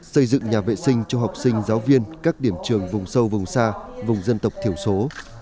xây dựng nhà vệ sinh cho học sinh giáo viên các điểm trường vùng sâu vùng xa vùng dân tộc thiểu số